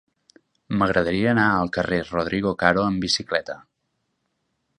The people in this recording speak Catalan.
M'agradaria anar al carrer de Rodrigo Caro amb bicicleta.